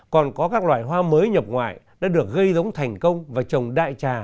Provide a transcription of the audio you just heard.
còn có các loại hoa mới nhập ngoại đã được gây giống thành công và trồng đại trà